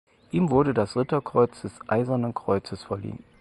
Ihm wurde das Ritterkreuz des Eisernen Kreuzes verliehen.